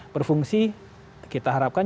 berfungsi kita harapkan